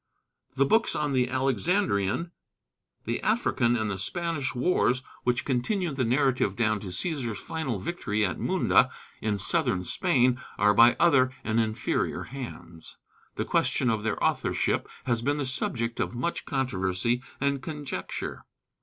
The books on the Alexandrian, the African, and the Spanish wars, which continue the narrative down to Cæsar's final victory at Munda in southern Spain, are by other and inferior hands. The question of their authorship has been the subject of much controversy and conjecture.